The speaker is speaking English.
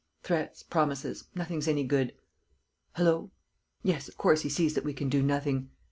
... Threats, promises, nothing's any good. ... Hullo! ... Yes, of course, he sees that we can do nothing.